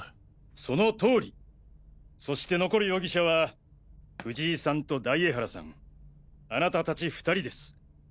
その通りそして残る容疑者は藤井さんと大江原さんあなた達２人です。